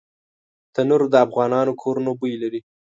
تنور د افغانو کورونو بوی لري